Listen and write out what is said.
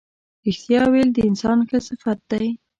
رښتیا ویل د انسان ښه صفت دی.